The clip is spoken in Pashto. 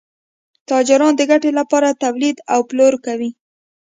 تاجران د ګټې لپاره تولید او پلور کوي.